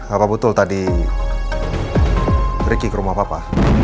apa betul tadi ricky ke rumah papa